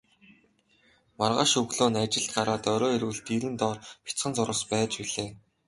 Маргааш өглөө нь ажилд гараад орой ирвэл дэрэн доор бяцхан зурвас байж билээ.